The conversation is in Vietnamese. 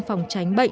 phòng tránh bệnh